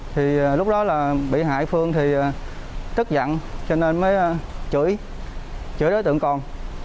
thì lúc đó là bị hại phương thì tức giận cho nên mới chửi đối tượng còn